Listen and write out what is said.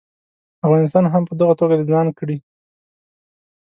افغانستان هم په دغه توګه د ځان کړي.